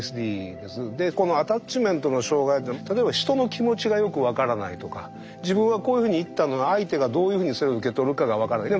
でこのアタッチメントの障害というのは例えば人の気持ちがよく分からないとか自分はこういうふうに言ったのに相手がどういうふうにそれを受け取るかが分からない。